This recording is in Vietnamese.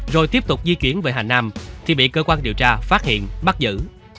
rồi tiếp tục di chuyển về hà nam thì bị cơ quan điều tra phát hiện bắt giữ